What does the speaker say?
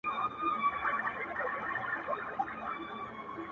• لا رواني دي جوپې د شهيدانو,